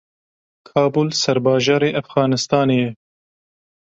Kabûl serbajarê Efxanistanê ye.